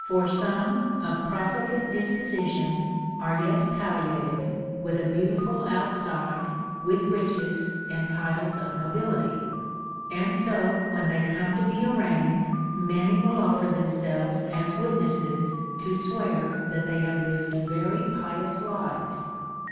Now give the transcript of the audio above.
For some of profligate dispositions are yet palliated Avith a beautiful outside, with riches, and titles of nobility ; and so when they come to be arraigned, many Avill offer tliemselves as witnesses to swear that they have lived very pious lives.